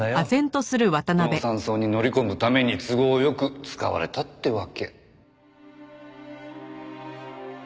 この山荘に乗り込むために都合良く使われたってわけ。